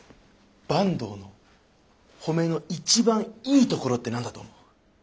坂東の褒めの一番いいところって何だと思う？